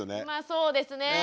まあそうですね。